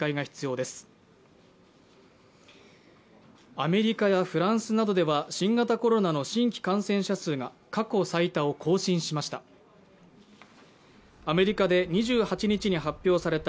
アメリカやフランスなどでは新型コロナの新規感染者数が過去最多を更新しました。